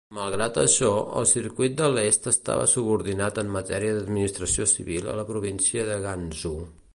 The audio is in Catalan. Malgrat això, el Circuit de l'est estava subordinat en matèria d'administració civil a la província de Gansu.